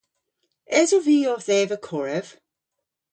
Esov vy owth eva korev?